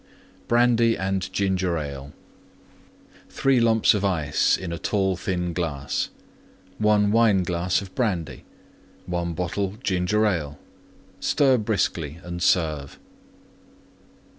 BRANDY AND GINGER ALE 3 lumps of Ice in tall, thin glass. 1 Wineglass Brandy. 1 bottle Ginger Ale. Stir briskly and serve.